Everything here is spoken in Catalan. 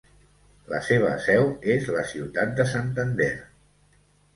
La seva seu és la ciutat de Santander.